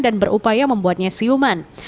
dan berupaya membuatnya siuman